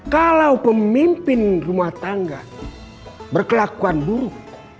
kalau pemimpin rumah tangga berkelakuan buruk